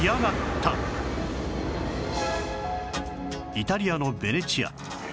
イタリアのベネチア